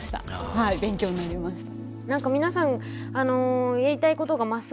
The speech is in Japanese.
はい勉強になりました。